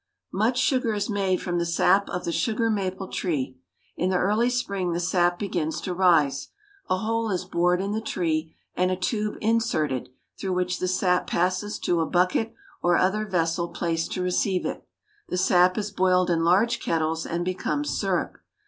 Much sugar is made from the sap of the sugar maple tree. In the early spring the sap begins to rise. A hole is bored in the tree and a tube inserted, through which the sap passes to a bucket or other vessel placed to receive it. The sap is boiled in large kettles and becomes syrup.